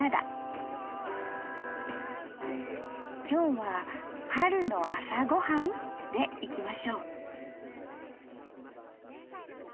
今日は「春の朝ごはん」でいきましょう！